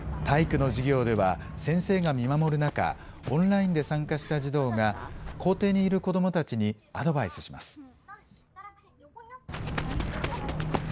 体育の授業では、先生が見守る中、オンラインで参加した児童が、校庭にいる子どもたちに、アドバイスします。